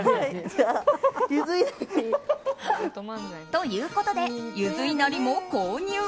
ということでゆずいなりも購入。